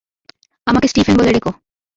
আমাকে স্টিফেন বলে ডেকো।